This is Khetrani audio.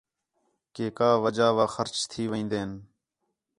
کہ کا وجہ وا خرچ تھی وین٘دِن